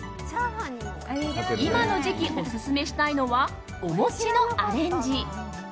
今の時期オススメしたいのはお餅のアレンジ。